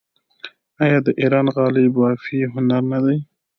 آیا د ایران غالۍ بافي هنر نه دی؟